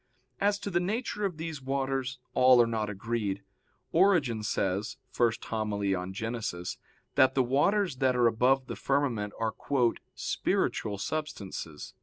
As to the nature of these waters, all are not agreed. Origen says (Hom. i in Gen.) that the waters that are above the firmament are "spiritual substances."